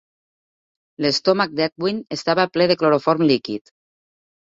L'estomac d'Edwin estava ple de cloroform líquid.